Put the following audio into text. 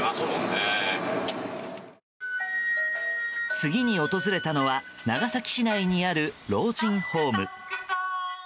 次に訪れたのは長崎市内にある老人ホーム。